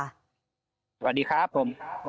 สวัสดีครับผม